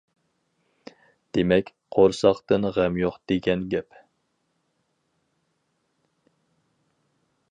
دېمەك، قورساقتىن غەم يوق دېگەن گەپ.